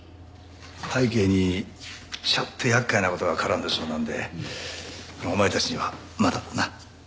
背景にちょっと厄介な事が絡んでそうなんでお前たちにはまだな。